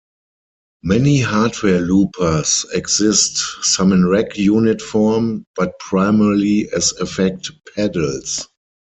Many hardware loopers exist, some in rack unit form, but primarily as effect pedals.